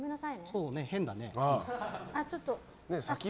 そうだね、変だね。